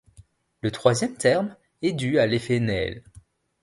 Le troisième terme est dû à l’effet Néel.